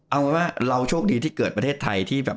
เอาหมายว่าเราโชคดีที่เกิดประเทศไทย